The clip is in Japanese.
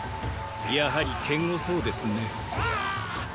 やはり堅固そうですね。